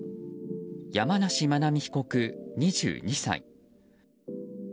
山梨真奈美被告、２２歳。